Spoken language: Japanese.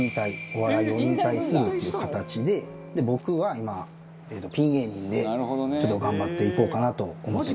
お笑いを引退するっていう形で僕は今ピン芸人でちょっと頑張っていこうかなと思ってます。